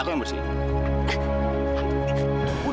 giyeng tahu katakan jest